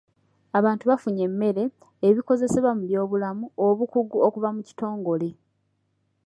Abantu bafunye emmere, ebikozesebwa mu by'obulamu, obukugu okuva mu kitongole.